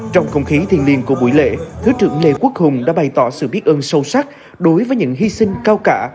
trong không khí thiên liên của buổi lễ thứ trưởng lê quốc hùng đã bày tỏ sự biết ơn sâu sắc đối với những hy sinh cao cả